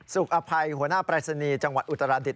อภัยหัวหน้าปรายศนีย์จังหวัดอุตราดิษ